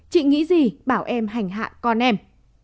chị nghĩ gì bảo em hành hạ con em